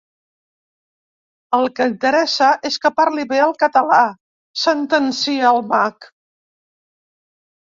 El que interessa és que parli bé el català —sentencia el mag.